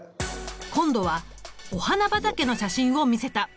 今度はお花畑の写真を見せた。